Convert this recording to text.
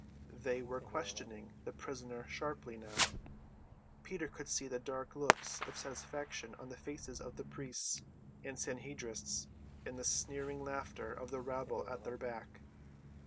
They were questioning the prisoner sharply now. Peter could see the dark looks of satisfaction on the faces of the priests and Sanhedrists and the sneering laughter of the rabble at their back.